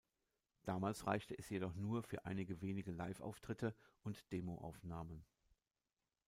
Damals reichte es jedoch nur für einige wenige Liveauftritte und Demo-Aufnahmen.